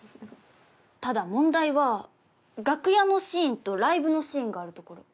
ただ問題は楽屋のシーンとライブのシーンがあるところ。